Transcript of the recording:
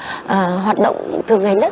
và sẽ giúp bà con hoạt động thường ngày nhất